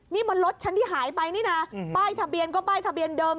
นี่มันรถฉันที่หายไปนี่นะป้ายทะเบียนก็ป้ายทะเบียนเดิม